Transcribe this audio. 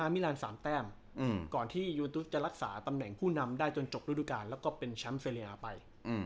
เป็นจกฤทธิการแล้วก็เป็นแชมป์เซเลียไป